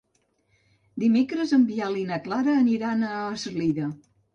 Dimecres en Biel i na Clara aniran a Eslida.